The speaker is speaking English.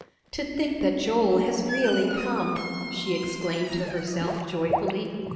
"To think that Joel has really come!" she exclaimed to herself joyfully.